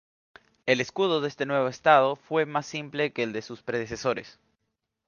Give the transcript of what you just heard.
El escudo de este nuevo estado fue más simple que el de sus predecesores.